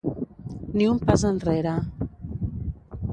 Ni un pas enrere.